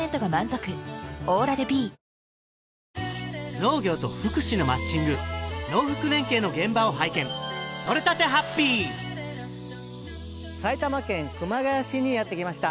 農業と福祉のマッチング農福連携の現場を拝見埼玉県熊谷市にやってきました